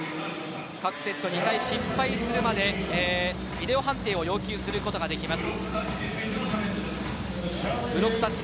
各チーム、２回失敗するまでビデオ判定を要求することができます。